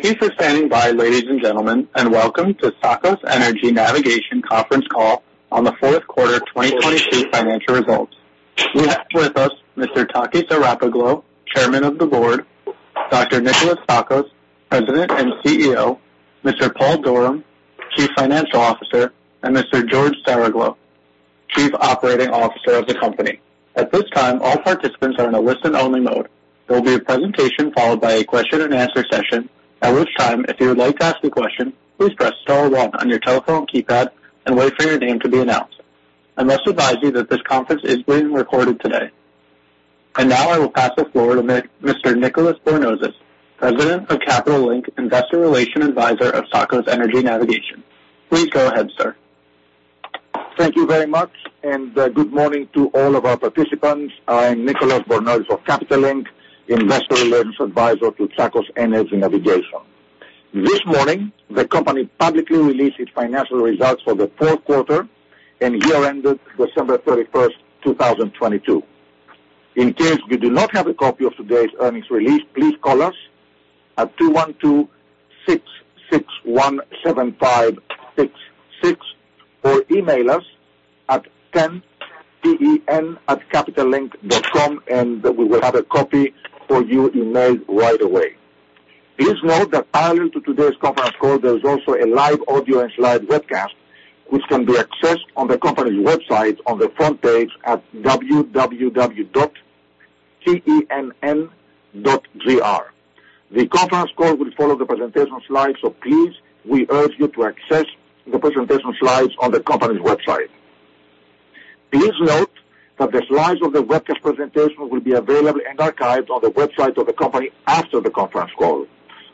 Thank you for standing by, ladies and gentlemen, and welcome to Tsakos Energy Navigation conference call on the fourth quarter 2022 financial results. We have with us Mr. Takis Arapoglou, Chairman of the Board, Dr. Nikolas Tsakos, President and CEO, Mr. Paul Durham, Chief Financial Officer, and Mr. George Saroglou, Chief Operating Officer of the company. At this time, all participants are in a listen-only mode. There will be a presentation followed by a question-and-answer session. At which time, if you would like to ask a question, please press star one on your telephone keypad and wait for your name to be announced. I must advise you that this conference is being recorded today. Now I will pass the floor to Mr. Nicolas Bornozis, President of Capital Link, investor relations advisor of Tsakos Energy Navigation. Please go ahead, sir. Thank you very much, good morning to all of our participants. I'm Nicolas Bornozis for Capital Link, investor relations advisor to Tsakos Energy Navigation. This morning, the company publicly released its financial results for the fourth quarter and year ended December 31st, 2022. In case you do not have a copy of today's earnings release, please call us at 212-661-7566 or email us at ten@capitallink.com and we will have a copy for you emailed right away. Please note that prior to today's conference call, there is also a live audio and live webcast, which can be accessed on the company's website on the front page at www.tenn.gr. The conference call will follow the presentation slides, please, we urge you to access the presentation slides on the company's website. Please note that the slides of the webcast presentation will be available and archived on the website of the company after the conference call.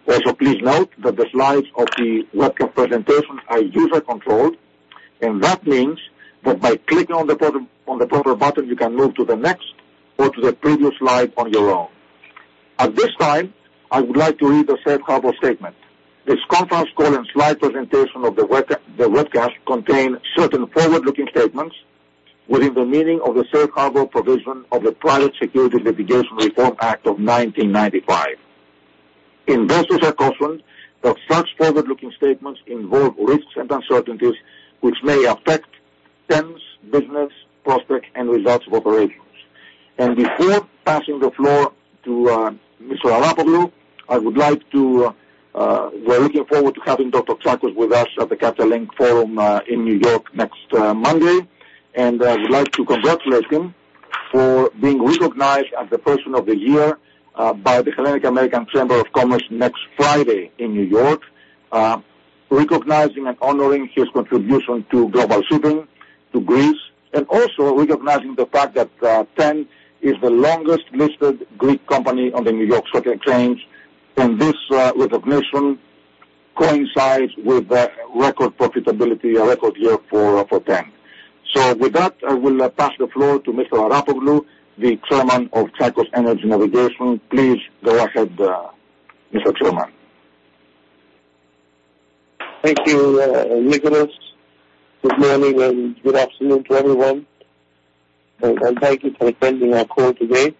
Please note that the slides of the webcast presentation are user-controlled, and that means that by clicking on the proper button, you can move to the next or to the previous slide on your own. At this time, I would like to read the safe harbor statement. This conference call and slide presentation of the webcast contain certain forward-looking statements within the meaning of the safe harbor provision of the Private Securities Litigation Reform Act of 1995. Investors are cautioned that such forward-looking statements involve risks and uncertainties which may affect TEN's business prospects and results of operations. Before passing the floor to Mr. Arapoglou, I would like to, we're looking forward to having Dr. Tsakos with us at the Capital Link forum in New York next Monday. I would like to congratulate him for being recognized as the Person of the Year by the Hellenic-American Chamber of Commerce next Friday in New York. Recognizing and honoring his contribution to global shipping to Greece, and also recognizing the fact that TEN is the longest-listed Greek company on the New York Stock Exchange. This recognition coincides with record profitability, a record year for TEN. With that, I will pass the floor to Mr. Arapoglou, the chairman of Tsakos Energy Navigation. Please go ahead, Mr. Chairman. Thank you, Nicholas. Good morning and good afternoon to everyone, and thank you for attending our call today.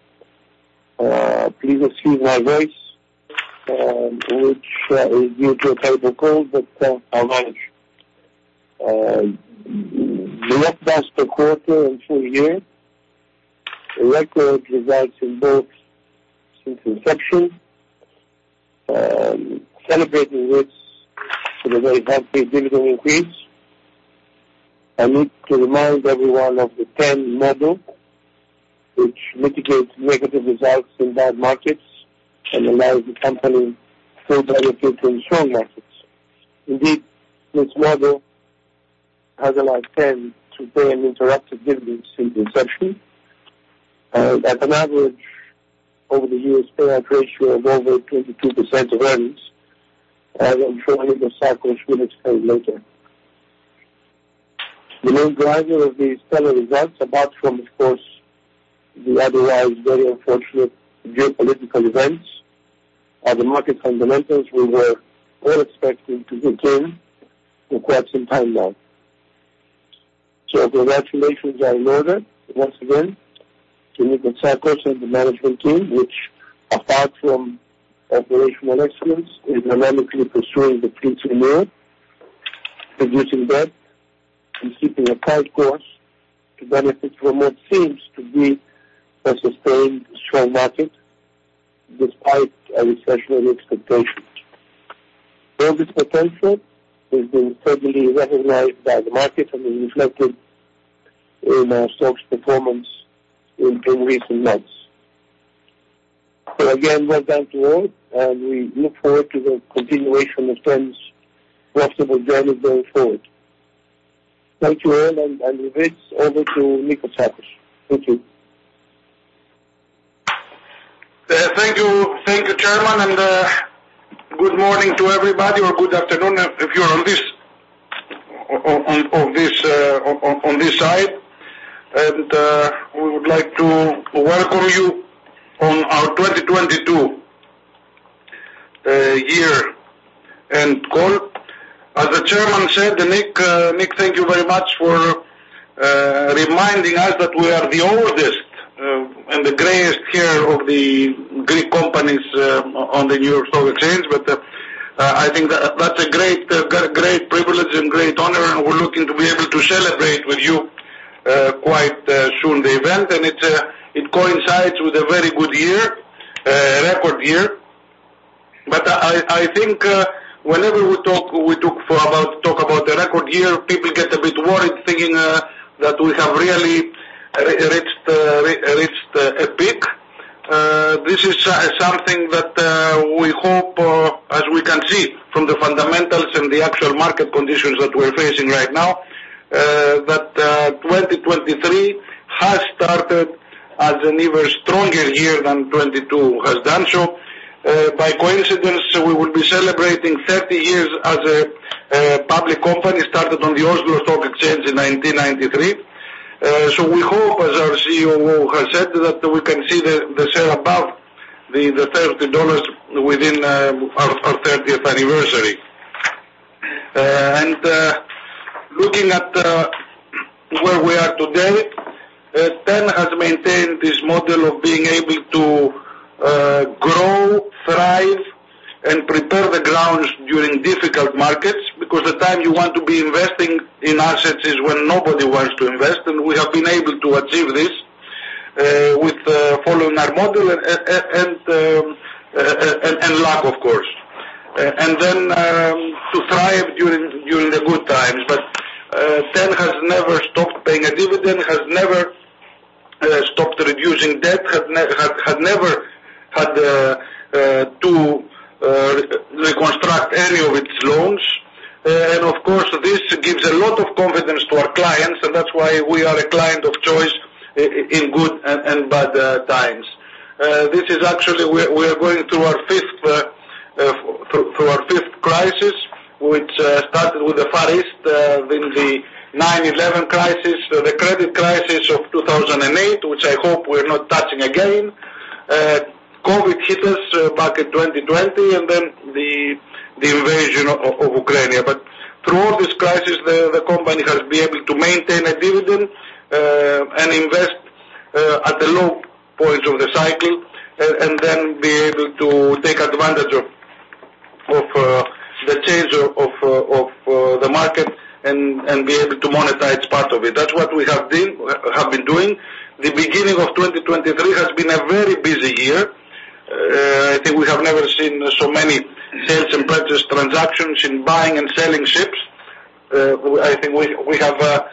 Please excuse my voice, which is due to a type of cold that I won't. The webcast per quarter and full year, record results in both since inception, celebrating with sort of a healthy dividend increase. I need to remind everyone of the TEN model, which mitigates negative results in bad markets and allows the company to benefit in strong markets. Indeed, this model has allowed TEN to pay an uninterrupted dividend since inception, at an average, over the years, payout ratio of over 22% of earnings, as I'm sure Nikolas Tsakos will explain later. The main driver of these stellar results, apart from, of course, the otherwise very unfortunate geopolitical events are the market fundamentals we were all expecting to retain for quite some time now. Congratulations are in order, once again, to Nikolas Tsakos and the management team, which apart from operational excellence, is dynamically pursuing the clean energy world, reducing debt, and keeping a tight course to benefit from what seems to be a sustained strong market despite a recession in expectations. All this potential has been totally recognized by the market and is reflected in our stock's performance in recent months. Again, well done to all, and we look forward to the continuation of TEN's profitable journey going forward. Thank you all, and with this, over to Nikolas Tsakos. Thank you. Thank you. Thank you, Chairman. Good morning to everybody or good afternoon if you're on this, on this side. We would like to welcome you on our 2022 year-end call. As the chairman said, Nick, thank you very much for reminding us that we are the oldest and the greatest here of the Greek companies on the New York Stock Exchange. I think that's a great privilege and great honor, and we're looking to be able to celebrate with you quite soon the event. It coincides with a very good year, record year. I think whenever we talk, we talk about the record year, people get a bit worried thinking that we have really re-reached a peak. This is something that we hope, as we can see from the fundamentals and the actual market conditions that we're facing right now, that 2023 has started as an even stronger year than 2022 has done so. By coincidence, we will be celebrating 30 years as a public company started on the Oslo Stock Exchange in 1993. We hope, as our CEO has said, that we can see the share above the $30 within our 30th anniversary. Looking at where we are today, TEN has maintained this model of being able to grow, thrive and prepare the grounds during difficult markets because the time you want to be investing in assets is when nobody wants to invest. We have been able to achieve this with following our model and luck of course, and then to thrive during the good times. TEN has never stopped paying a dividend, has never stopped reducing debt, had never had to reconstruct any of its loans. Of course, this gives a lot of confidence to our clients, and that's why we are a client of choice in good and bad times. This is actually we're going through our fifth crisis, which started with the Far East, then the 9/11 crisis, the credit crisis of 2008, which I hope we're not touching again. COVID hit us back in 2020, then the invasion of Ukraine. Through all this crisis, the company has been able to maintain a dividend and invest at the low points of the cycle and then be able to take advantage of the change of the market and be able to monetize part of it. That's what we have been doing. The beginning of 2023 has been a very busy year. I think we have never seen so many sales and purchase transactions in buying and selling ships. I think we have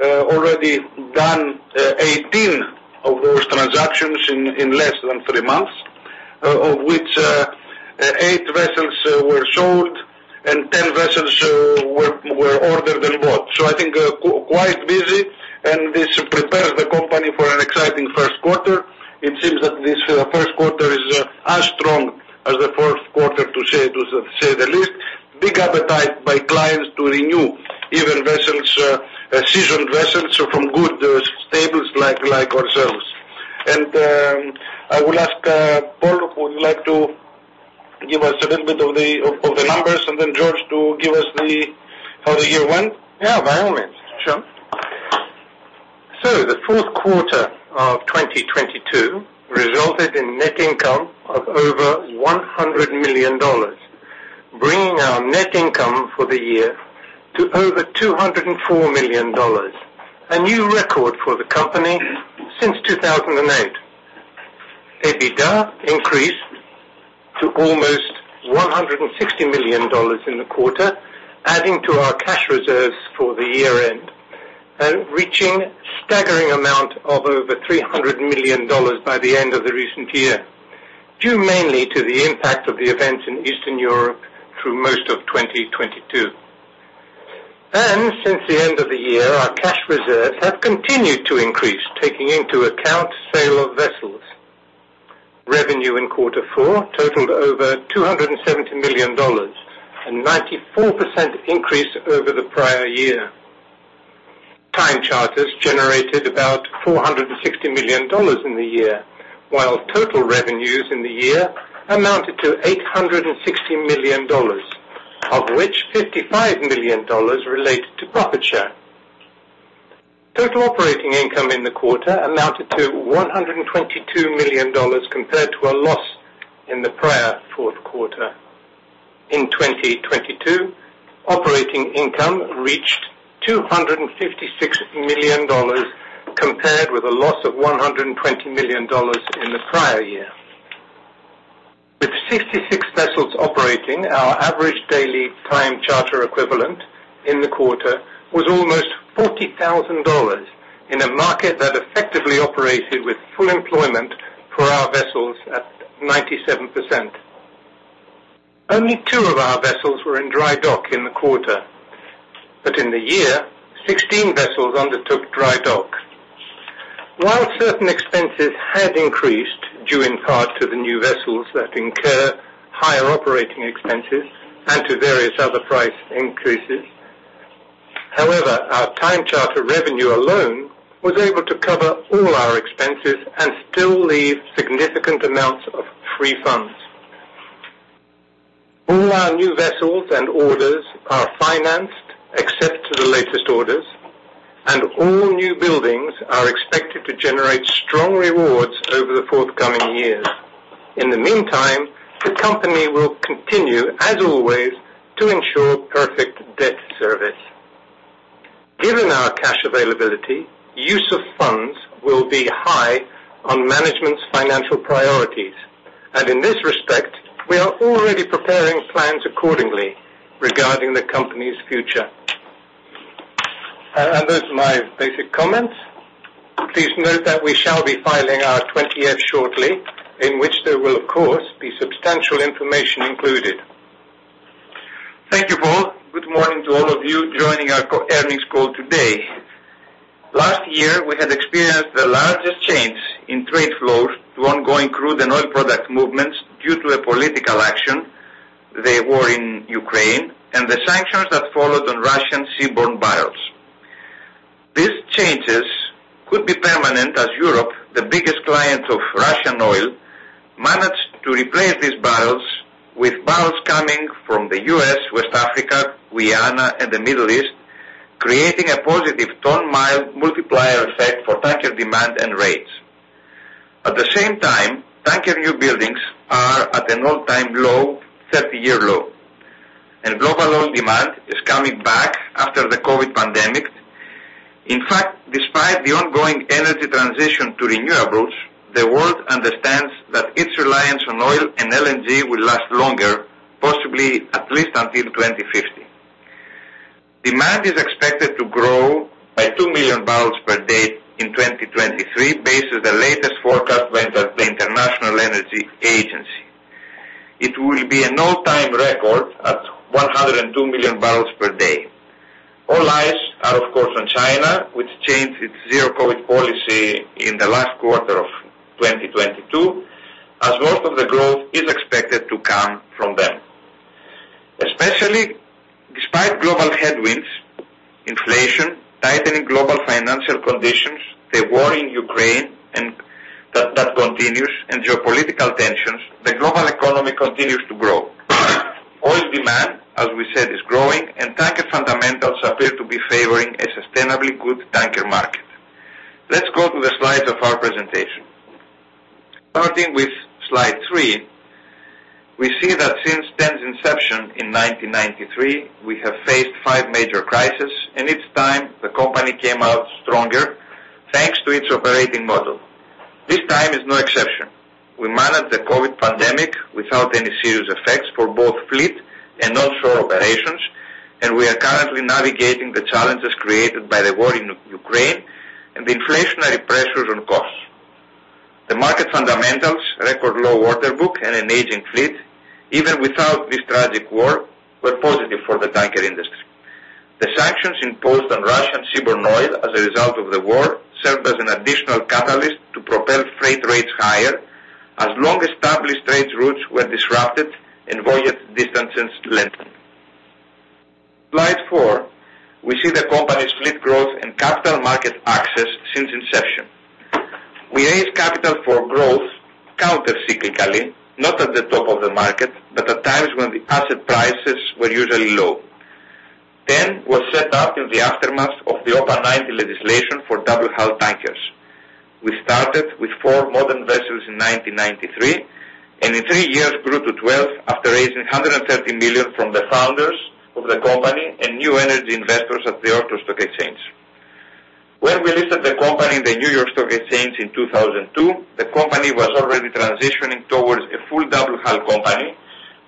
already done 18 of those transactions in less than three months, of which eight vessels were sold and 10 vessels were ordered and bought. I think quite busy, and this prepares the company for an exciting first quarter. It seems that this first quarter is as strong as the fourth quarter to say the least. Big appetite by clients to renew even vessels, seasoned vessels from good stables like ourselves. I will ask, Paul, would you like to give us a little bit of the numbers and then George to give us the how the year went? Yeah, by all means. Sure. The fourth quarter of 2022 resulted in net income of over $100 million, bringing our net income for the year to over $204 million. A new record for the company since 2008. EBITDA increased to almost $160 million in the quarter, adding to our cash reserves for the year end and reaching staggering amount of over $300 million by the end of the recent year, due mainly to the impact of the events in Eastern Europe through most of 2022. Since the end of the year, our cash reserves have continued to increase, taking into account sale of vessels. Revenue in quarter four totaled over $270 million, a 94% increase over the prior year. Time charters generated about $460 million in the year, while total revenues in the year amounted to $860 million, of which $55 million related to profit share. Total operating income in the quarter amounted to $122 million, compared to a loss in the prior fourth quarter. In 2022, operating income reached $256 million, compared with a loss of $120 million in the prior year. With 66 vessels operating, our average daily time charter equivalent in the quarter was almost $40,000 in a market that effectively operated with full employment for our vessels at 97%. Only two of our vessels were in dry dock in the quarter, but in the year 16 vessels undertook dry dock. While certain expenses had increased due in part to the new vessels that incur higher operating expenses and to various other price increases, however, our time charter revenue alone was able to cover all our expenses and still leave significant amounts of free funds. All our new vessels and orders are financed except to the latest orders, and all new buildings are expected to generate strong rewards over the forthcoming years. In the meantime, the company will continue, as always, to ensure perfect debt service. Given our cash availability, use of funds will be high on management's financial priorities. In this respect, we are already preparing plans accordingly regarding the company's future. Those are my basic comments. Please note that we shall be filing our 20-F shortly, in which there will, of course, be substantial information included. Thank you, Paul. Good morning to all of you joining our earnings call today. Last year, we had experienced the largest change in trade flows to ongoing crude and oil product movements due to a political action, the war in Ukraine, and the sanctions that followed on Russian seaborne barrels. These changes could be permanent as Europe, the biggest client of Russian oil, managed to replace these barrels with barrels coming from the U.S., West Africa, Guyana, and the Middle East, creating a positive ton-mile multiplier effect for tanker demand and rates. At the same time, tanker new buildings are at an all-time low, 30-year low. Global oil demand is coming back after the COVID pandemic. In fact, despite the ongoing energy transition to renewables, the world understands that its reliance on oil and LNG will last longer, possibly at least until 2050. Demand is expected to grow by 2 million bbl per day in 2023 based on the latest forecast by the International Energy Agency. It will be an all-time record at 102 million bbl per day. All eyes are, of course, on China, which changed its zero-COVID policy in the last quarter of 2022, as most of the growth is expected to come from them. Especially despite global headwinds, inflation, tightening global financial conditions, the war in Ukraine and that continues, and geopolitical tensions, the global economy continues to grow. Oil demand, as we said, is growing and tanker fundamentals appear to be favoring a sustainably good tanker market. Let's go to the slides of our presentation. Starting with slide three, we see that since TEN's inception in 1993, we have faced five major crises, and each time the company came out stronger, thanks to its operating model. This time is no exception. We managed the COVID pandemic without any serious effects for both fleet and onshore operations. We are currently navigating the challenges created by the war in Ukraine and the inflationary pressures on costs. The market fundamentals, record low order book and an aging fleet, even without this tragic war, were positive for the tanker industry. The sanctions imposed on Russian seaborne oil as a result of the war served as an additional catalyst to propel freight rates higher as long-established trade routes were disrupted and voyage distances lengthened. Slide four, we see the company's fleet growth and capital market access since inception. We raised capital for growth counter-cyclically, not at the top of the market, but at times when the asset prices were usually low. TEN was set up in the aftermath of the OPA 90 legislation for double-hull tankers. We started with four modern vessels in 1993, and in three years grew to 12 after raising $130 million from the founders of the company and new energy investors at the Athens Stock Exchange. When we listed the company in the New York Stock Exchange in 2002, the company was already transitioning towards a full double-hull company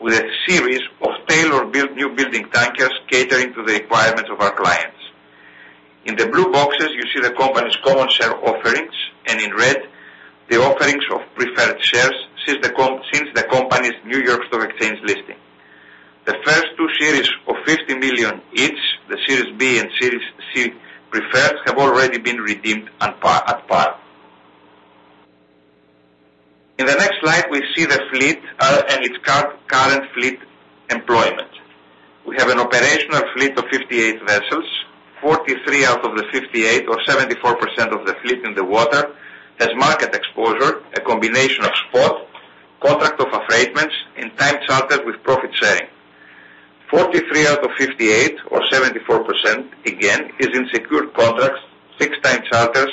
with a series of tailored build, new building tankers catering to the requirements of our clients. In the blue boxes, you see the company's common share offerings, and in red, the offerings of preferred shares since the company's New York Stock Exchange listing. The first two Series of $50 million each, the Series B and Series C preferreds, have already been redeemed at par. In the next slide, we see the fleet, and its current fleet employment. We have an operational fleet of 58 vessels, 43 out of the 58 or 74% of the fleet in the water has market exposure, a combination of spot, contracts of affreightment and time charter with profit sharing. 43% out of 58% or 74%, again, is in secured contracts, fixed time charters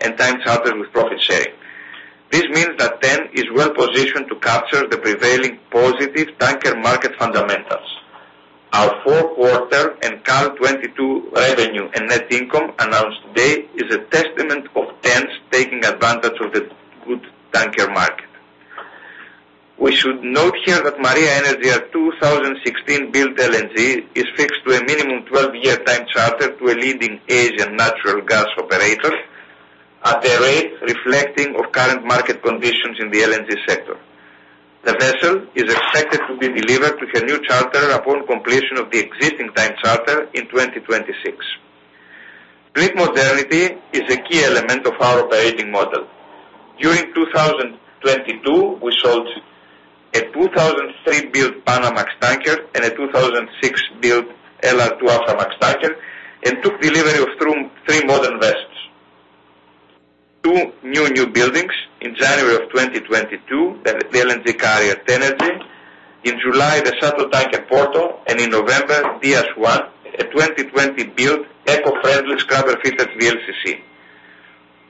and time charters with profit sharing. This means that TEN is well-positioned to capture the prevailing positive tanker market fundamentals. Our fourth quarter and current 2022 revenue and net income announced today is a testament of TEN's taking advantage of the good tanker market. We should note here that Maria Energy, our 2016-built LNG, is fixed to a minimum 12-year time charter to a leading Asian natural gas operator at the rate reflecting of current market conditions in the LNG sector. The vessel is expected to be delivered to her new charter upon completion of the existing time charter in 2026. Fleet modernity is a key element of our operating model. During 2022, we sold a 2003-built Panamax tanker and a 2006-built LR2 Ultramax tanker and took delivery of three modern vessels. New buildings in January of 2022, the LNG carrier Tenergy. In July, the shuttle tanker Porto and in November DS1, a 2020-built eco-friendly scrubber-fitted VLCC.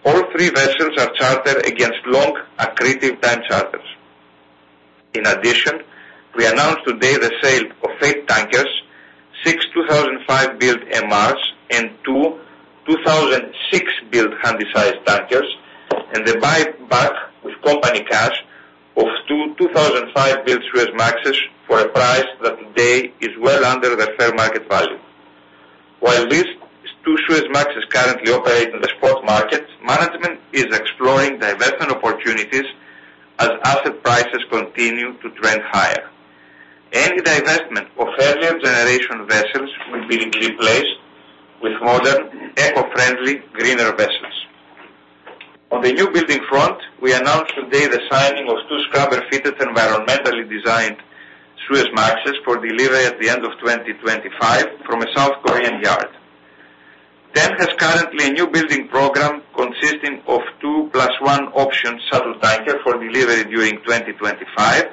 All three vessels are chartered against long accretive time charters. In addition, we announced today the sale of eight tankers, six 2025-built MRs and two 2026-built handysize tankers and the buyback with company cash of two 2025-built Suezmaxes for a price that today is well under the fair market value. While these two Suezmaxes currently operate in the spot market, management is exploring divestment opportunities as asset prices continue to trend higher. Any divestment of earlier generation vessels will be replaced with modern, eco-friendly, greener vessels. On the new building front, we announced today the signing of two scrubber-fitted environmentally designed Suezmaxes for delivery at the end of 2025 from a South Korean yard. TEN has currently a new building program consisting of 2+1 option shuttle tanker for delivery during 2025,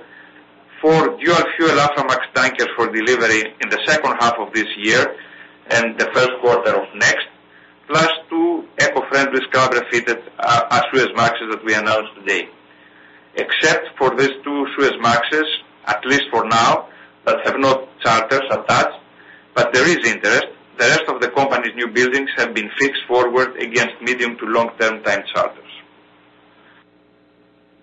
4 dual-fuel Aframax tankers for delivery in the second half of this year and the first quarter of next, plus two eco-friendly scrubber-fitted Suezmaxes that we announced today. Except for these two Suezmaxes, at least for now, that have no charters attached, but there is interest, the rest of the company's new buildings have been fixed forward against medium to long-term time charters.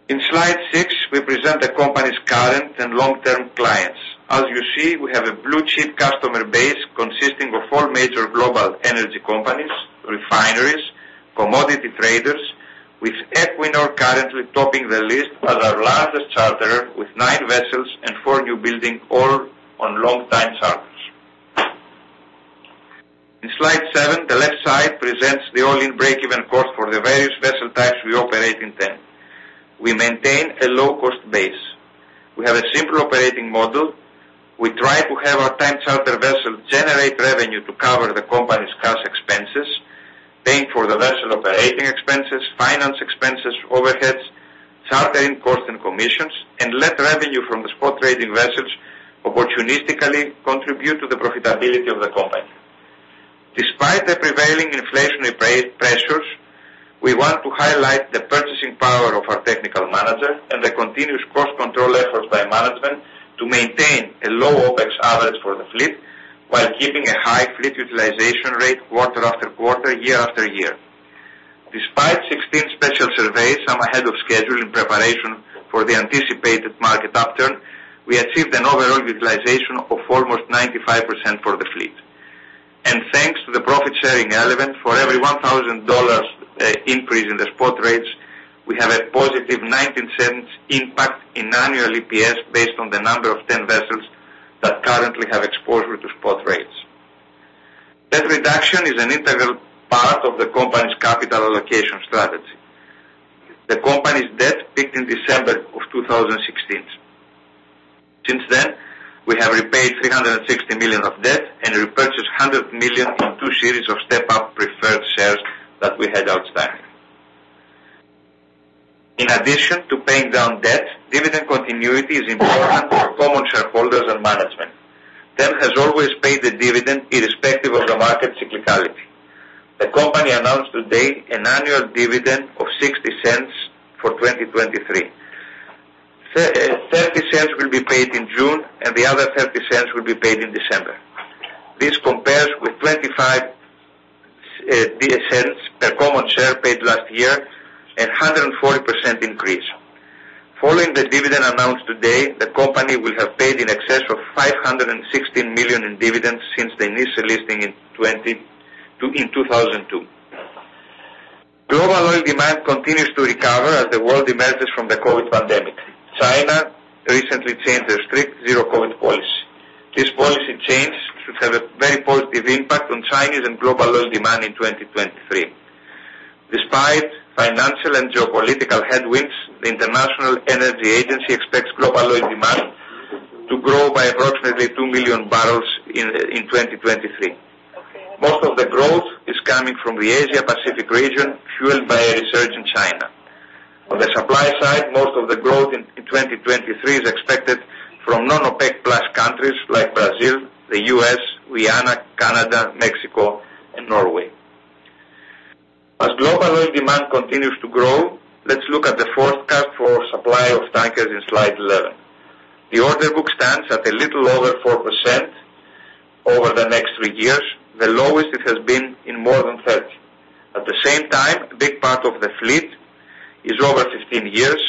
In slide six, we present the company's current and long-term clients. As you see, we have a blue chip customer base consisting of all major global energy companies, refineries, commodity traders with Equinor currently topping the list as our largest charter with nine vessels and four new building all on long time charters. In slide seven, the left side presents the all-in break-even cost for the various vessel types we operate in TEN. We maintain a low cost base. We have a simple operating model. We try to have our time charter vessel generate revenue to cover the company's cash expenses, paying for the vessel operating expenses, finance expenses, overheads, chartering costs and commissions, and let revenue from the spot trading vessels opportunistically contribute to the profitability of the company. Despite the prevailing inflationary pressures, we want to highlight the purchasing power of our technical manager and the continuous cost control efforts by management to maintain a low OpEx average for the fleet while keeping a high fleet utilization rate quarter-after-quarter, year-after-year. Despite 16 special surveys, some ahead of schedule in preparation for the anticipated market upturn, we achieved an overall utilization of almost 95% for the fleet. Thanks to the profit-sharing element, for every $1,000 increase in the spot rates, we have a positive $0.90 impact in annual EPS based on the number of TEN vessels that currently have exposure to spot rates. Debt reduction is an integral part of the company's capital allocation strategy. The company's debt peaked in December of 2016. Since then, we have repaid $360 million of debt and repurchased $100 million in two series of step-up preferred shares that we had outstanding. In addition to paying down debt, dividend continuity is important for common shareholders and management. TEN has always paid the dividend irrespective of the market cyclicality. The company announced today an annual dividend of $0.60 for 2023. $0.30 will be paid in June and the other $0.30 will be paid in December. This compares with $0.25 per common share paid last year, and 140% increase. Following the dividend announced today, the company will have paid in excess of $560 million in dividends since the initial listing in 2002. Global oil demand continues to recover as the world emerges from the COVID pandemic. China recently changed their strict zero-COVID policy. This policy change should have a very positive impact on Chinese and global oil demand in 2023. Despite financial and geopolitical headwinds, the International Energy Agency expects global oil demand to grow by approximately 2 million bbl in 2023. Most of the growth is coming from the Asia Pacific region, fueled by a resurgence in China. On the supply side, most of the growth in 2023 is expected from non-OPEC+ countries like Brazil, the U.S., Guyana, Canada, Mexico and Norway. As global oil demand continues to grow, let's look at the forecast for supply of tankers in slide 11. The order book stands at a little over 4% over the next three years, the lowest it has been in more than 30. At the same time, a big part of the fleet is over 15 years,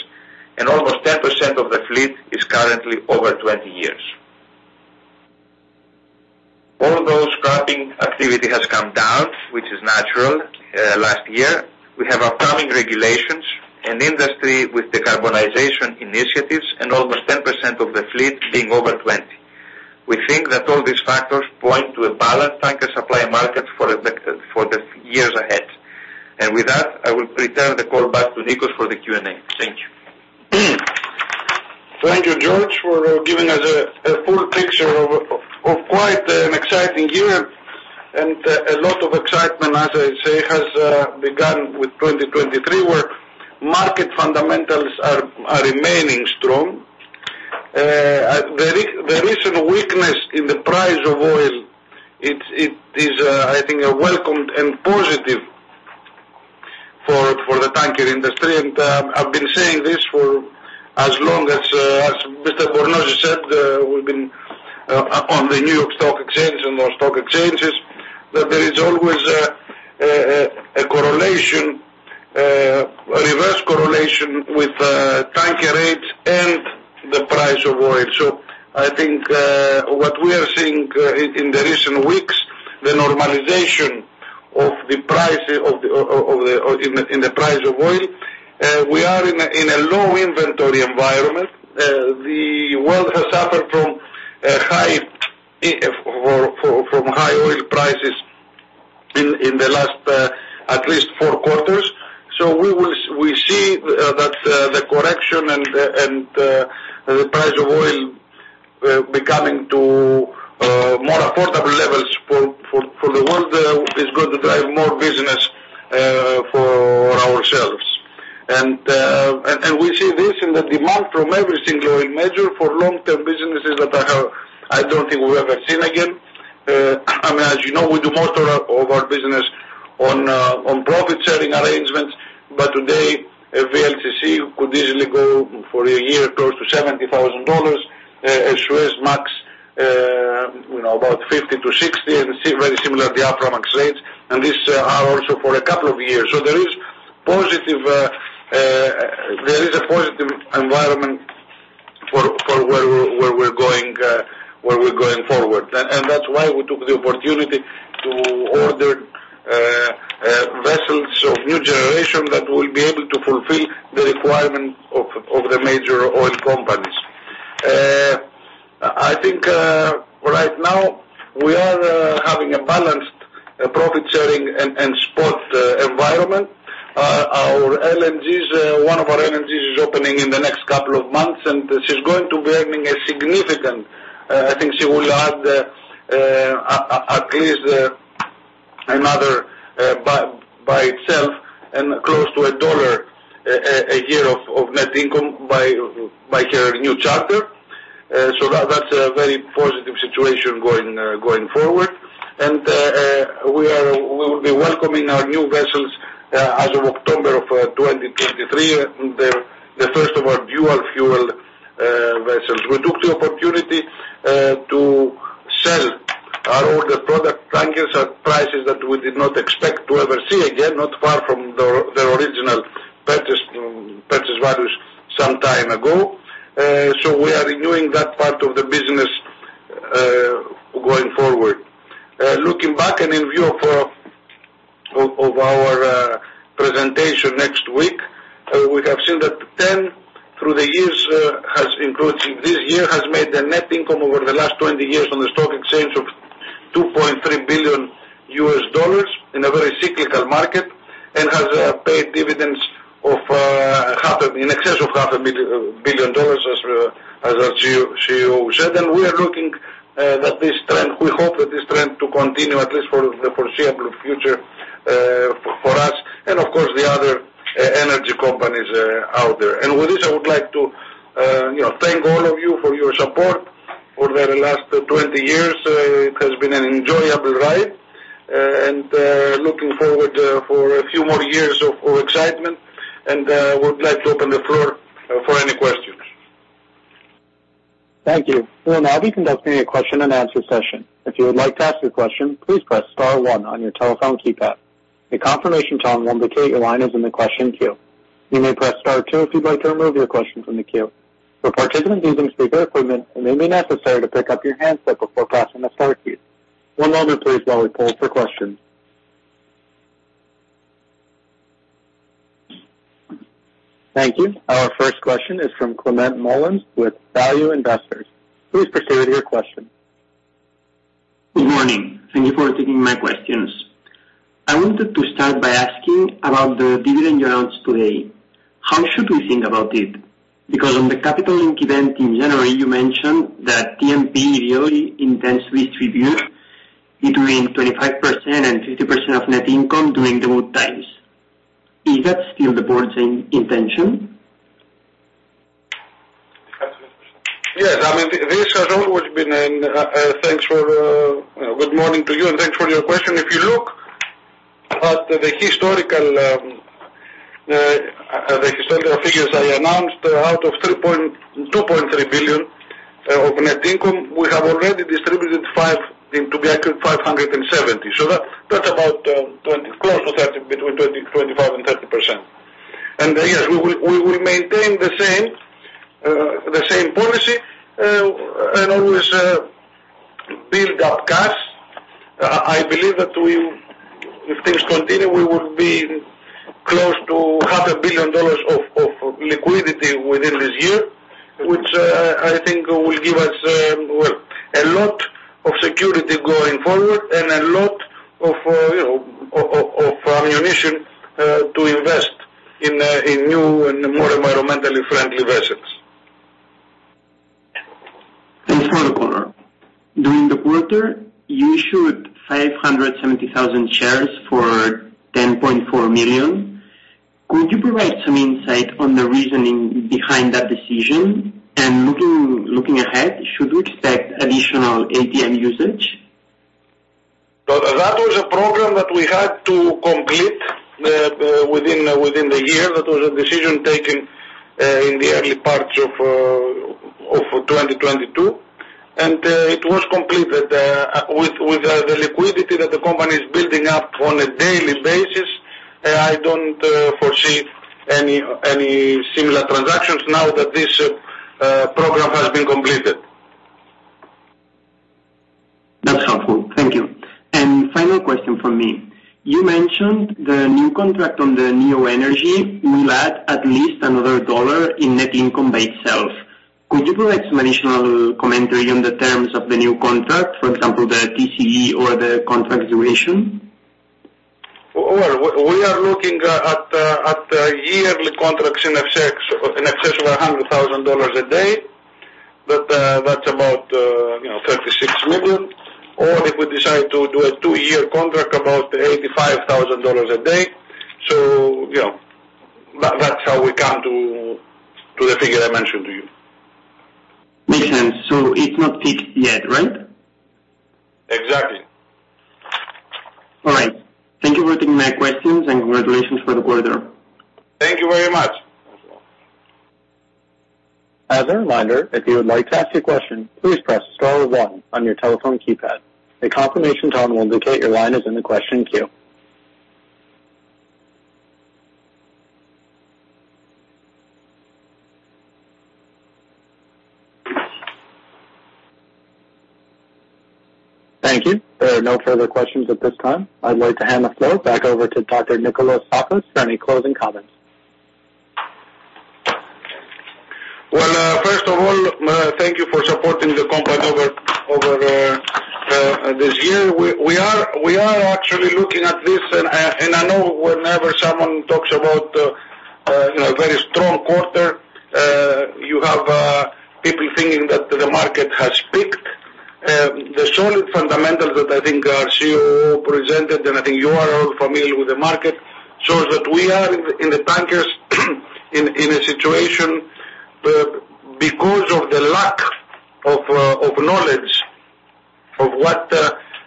and almost 10% of the fleet is currently over 20 years. Although scrapping activity has come down, which is natural, last year, we have upcoming regulations and industry with decarbonization initiatives and almost 10% of the fleet being over 20. We think that all these factors point to a balanced tanker supply market for expected for the years ahead. With that, I will return the call back to Nikos for the Q&A. Thank you, George, for giving us a full picture of quite an exciting year. A lot of excitement, as I say, has begun with 2023, where market fundamentals are remaining strong. The recent weakness in the price of oil it is, I think, a welcomed and positive for the tanker industry. I've been saying this for as long as Mr. Bornozis said, we've been upon the New York Stock Exchange and on stock exchanges, that there is always a correlation, a reverse correlation with tanker rates and the price of oil. I think what we are seeing in the recent weeks, the normalization of the price of the, in the, in the price of oil, we are in a low inventory environment. The world has suffered from a high, from high oil prices in the last, at least four quarters. We see that the correction and the price of oil becoming to more affordable levels for the world is going to drive more business for ourselves. We see this in the demand from every single oil major for long-term businesses that I don't think we've ever seen again. I mean, as you know, we do most of our, of our business on profit sharing arrangements. Today, a VLCC could easily go for a year close to $70,000. A Suezmax, you know, about $50,000-$60,000, and see very similar the Aframax rates. These are also for a couple of years. There is positive, there is a positive environment for where we're going forward. That's why we took the opportunity to order vessels of new generation that will be able to fulfill the requirement of the major oil companies. I think right now we are having a balanced profit sharing and spot environment. Our LNGs, one of our LNGs is opening in the next couple of months, and she's going to be earning a significant. I think she will add at least another by itself and close to $1 a year of net income by her new charter. That's a very positive situation going forward. We will be welcoming our new vessels as of October 2023, the first of our dual-fuel vessels. We took the opportunity to sell our older product tankers at prices that we did not expect to ever see again, not far from their original purchase values some time ago. We are renewing that part of the business going forward. Looking back in view of our presentation next week, we have seen that TEN, through the years, has including this year, has made a net income over the last 20 years on the stock exchange of $2.3 billion in a very cyclical market. Has paid dividends of in excess of half a billion dollars as our CEO said. We are looking that this trend, we hope that this trend to continue at least for the foreseeable future, for us and of course the other energy companies out there. With this, I would like to, you know, thank all of you for your support over the last 20 years. It has been an enjoyable ride and, looking forward, for a few more years of excitement. We'd like to open the floor for any questions. Thank you. We will now be conducting a question-and-answer session. If you would like to ask a question, please press star one on your telephone keypad. A confirmation tone will indicate your line is in the question queue. You may press star two if you'd like to remove your question from the queue. For participants using speaker equipment, it may be necessary to pick up your handset before pressing the star key. One moment please while we poll for questions. Thank you. Our first question is from Climent Molins with Value Investors. Please proceed with your question. Good morning. Thank you for taking my questions. I wanted to start by asking about the dividend announced today. How should we think about it? On the Capital Link event in January, you mentioned that TNP really intends to distribute between 25% and 50% of net income during the good times. Is that still the board's intention? Yes. I mean, this has always been an- thanks for... Good morning to you, and thanks for your question. If you look at the historical, the historical figures I announced out of $2.3 billion of net income, we have already distributed, to be accurate, $570 million. That's about 20%, close to 30%, between 25% and 30%. Yes, we will maintain the same policy, and always build up cash. I believe that we, if things continue, we will be close to half a billion dollars of liquidity within this year, which, I think will give us a lot of security going forward and a lot of, you know, of ammunition, to invest in new and more environmentally friendly vessels. One more. During the quarter, you issued 570,000 shares for $10.4 million. Could you provide some insight on the reasoning behind that decision? Looking ahead, should we expect additional ATM usage? No, that was a program that we had to complete the within the year. That was a decision taken in the early parts of 2022. It was completed. With the liquidity that the company is building up on a daily basis, I don't foresee any similar transactions now that this program has been completed. That's helpful. Thank you. Final question from me. You mentioned the new contract on the Maria Energy will add at least another $1 in net income by itself. Could you provide some additional commentary on the terms of the new contract, for example, the TCE or the contract duration? We are looking at yearly contracts in excess of $100,000 a day. That's about, you know, $36 million, or if we decide to do a two-year contract, about $85,000 a day. You know, that's how we come to the figure I mentioned to you. Makes sense. It's not fixed yet, right? Exactly. All right. Thank you for taking my questions. Congratulations for the quarter. Thank you very much. As a reminder, if you would like to ask a question, please press star one on your telephone keypad. A confirmation tone will indicate your line is in the question queue. Thank you. There are no further questions at this time. I'd like to hand the floor back over to Dr. Nikolas Tsakos for any closing comments. First of all, thank you for supporting the company over this year. We are actually looking at this. I know whenever someone talks about, you know, a very strong quarter, you have people thinking that the market has peaked. The solid fundamentals that I think our COO presented, and I think you are all familiar with the market, shows that we are in the tankers in a situation because of the lack of knowledge of what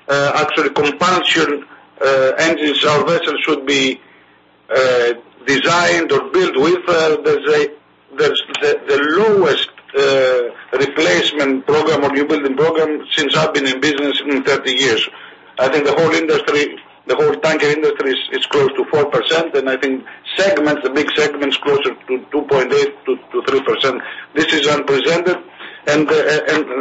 actually compaction engines our vessels should be designed or built with. There's the lowest replacement program or new building program since I've been in business in 30 years. I think the whole industry, the whole tanker industry is close to 4%, and I think segments, the big segments, closer to 2.8%-3%. This is unprecedented.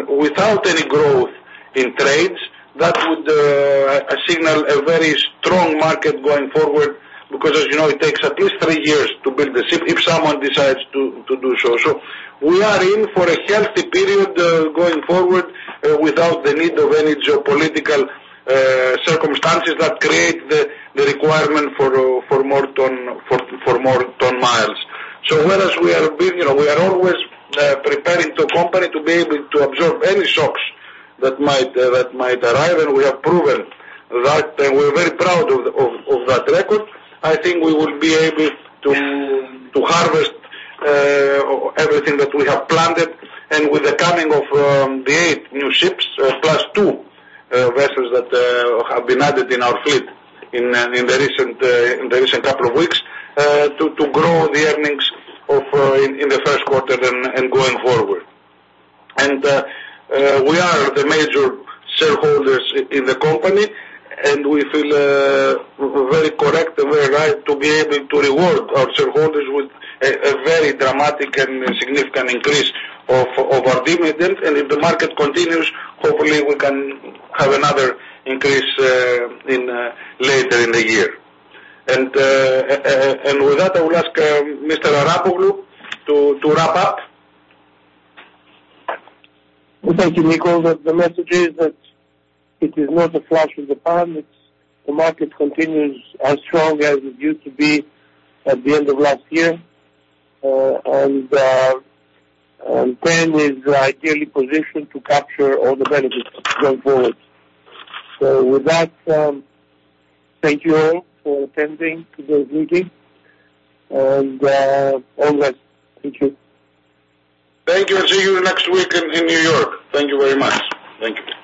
Without any growth in trades, that would signal a very strong market going forward because as you know, it takes at least three years to build a ship if someone decides to do so. We are in for a healthy period going forward without the need of any geopolitical circumstances that create the requirement for more ton-miles. Whereas we are being, you know, we are always preparing the company to be able to absorb any shocks that might arrive, and we have proven that, and we're very proud of that record. I think we will be able to harvest everything that we have planted and with the coming of the eight new ships, +2 vessels that have been added in our fleet in the recent couple of weeks, to grow the earnings in the first quarter and going forward. We are the major shareholders in the company, and we feel very correct and very right to be able to reward our shareholders with a very dramatic and significant increase of our dividend. If the market continues, hopefully we can have another increase later in the year. With that, I will ask Mr. Arapoglou to wrap up. Thank you, Nicolas. The message is that it is not a flash in the pan. It's the market continues as strong as it used to be at the end of last year, and then is ideally positioned to capture all the benefits going forward. With that, thank you all for attending today's meeting, and, all the best. Thank you. Thank you. I'll see you next week in New York. Thank you very much. Thank you.